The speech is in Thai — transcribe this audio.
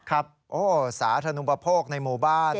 ครับโอ้สาธารณูปโภคในหมู่บ้าน